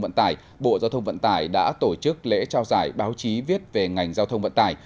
vận tải bộ giao thông vận tải đã tổ chức lễ trao giải báo chí viết về ngành giao thông vận tải